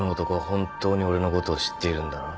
本当に俺のことを知っているんだな？